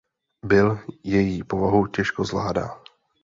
Bill její povahu těžko zvládá.